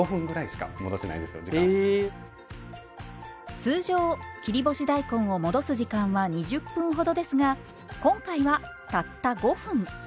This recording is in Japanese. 通常切り干し大根を戻す時間は２０分ほどですが今回はたった５分。